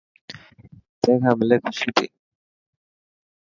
تين کان ملي خوشي ٿيي.